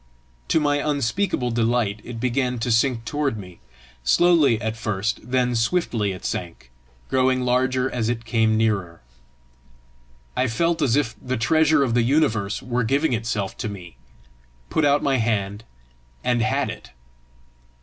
To my unspeakable delight, it began to sink toward me. Slowly at first, then swiftly it sank, growing larger as it came nearer. I felt as if the treasure of the universe were giving itself to me put out my hand, and had it.